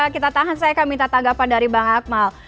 kita tahan saya akan minta tanggapan dari bang akmal